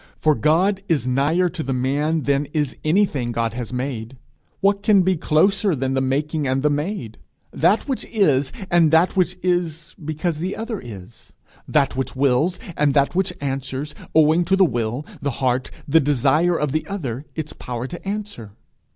For God is nigher to the man than is anything God has made: what can be closer than the making and the made? that which is, and that which is because the other is? that which wills, and that which answers, owing to the will, the heart, the desire of the other, its power to answer?